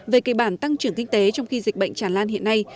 về kỳ bản tăng trưởng kinh tế trong khi dịch bệnh tràn lan hiện nay